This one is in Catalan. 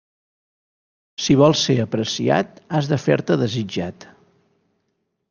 Si vols ser apreciat, has de fer-te desitjat.